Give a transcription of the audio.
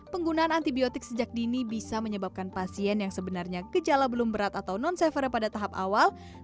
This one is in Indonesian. penggunaan antibiotik sejak dini bisa menyebabkan pasien yang sebenarnya gejala belum berat atau non server pada tahap awal